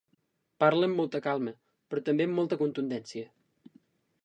Parla amb molta calma, però també amb molta contundència.